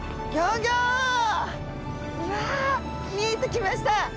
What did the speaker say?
うわ見えてきました！